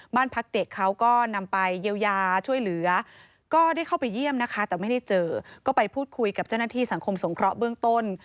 บ้านพักเด็กเขาก็นำไปเยียวยาช่วยเหลือก็ได้เข้าไปเยี่ยมนะคะแต่ไม่ได้เจอก็ไปพูดคุยกับเจ้าหน้าที่สังคมสงเคราะห์เบื้องต้น